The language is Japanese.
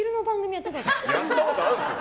やったことあるんですよ。